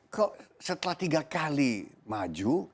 kok setelah tiga kali maju